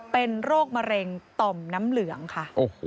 เป็นโรคมะเร็งต่อมน้ำเหลืองค่ะ